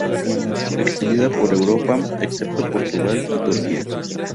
Extendida por Europa, excepto Portugal y Turquía.